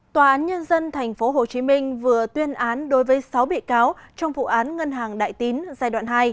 tòa án nhân dân tp hcm vừa tuyên án đối với sáu bị cáo trong vụ án ngân hàng đại tín giai đoạn hai